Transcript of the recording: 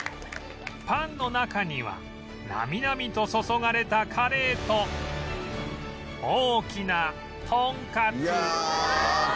パンの中にはなみなみと注がれたカレーと大きなとんかつ